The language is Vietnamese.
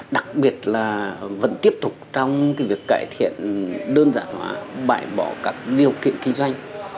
đặc biệt là vẫn tiếp tục trong việc cải thiện đơn giản hóa bãi bỏ các điều kiện kinh doanh